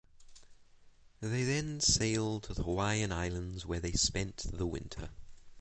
They then sailed to the Hawaiian Islands where they spent the winter.